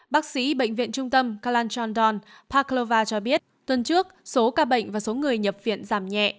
bác sĩ bệnh viện trung tâm kalanchondon paklova cho biết tuần trước số ca bệnh và số người nhập viện giảm nhẹ